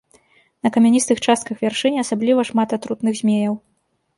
На камяністых частках вяршыні асабліва шмат атрутных змеяў.